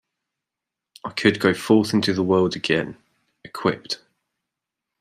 I could go forth into the world again, equipped.